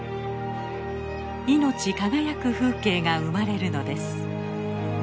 命輝く風景が生まれるのです。